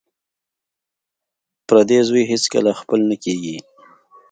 پردی زوی هېڅکله خپل نه کیږي